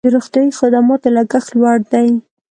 د روغتیايي خدماتو لګښت لوړ دی